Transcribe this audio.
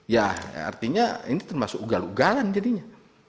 ya artinya ini termasuk ugal ugalan jadinya